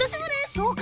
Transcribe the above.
そうか。